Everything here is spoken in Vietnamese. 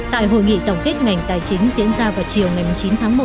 tại hội nghị tổng kết ngành tài chính diễn ra vào chiều ngày chín tháng một